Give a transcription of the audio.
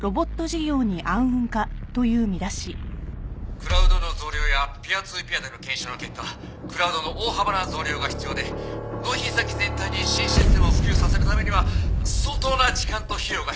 クラウドの増量やピア・ツー・ピアでの検証の結果クラウドの大幅な増量が必要で納品先全体に新システムを普及させるためには相当な時間と費用が必要でして。